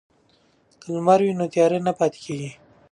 که لمر وي نو تیارې نه پاتیږي.